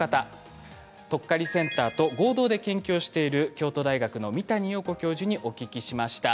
とっかりセンターと合同で研究している京都大学の三谷曜子教授にお聞きしました。